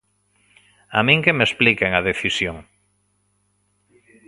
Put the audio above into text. A min que me expliquen a decisión.